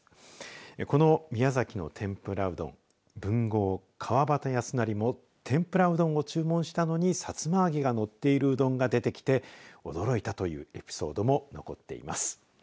この宮崎の天ぷらうどん文豪、川端康成も天ぷらうどんを注文したのにさつま揚げがのっているうどんが出てきて驚いたというエピソードも残っています。